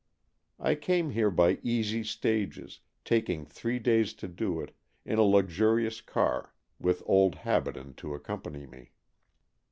I came here by easy stages, taking three days to do it, in a luxurious car with old Habaden to accompany me.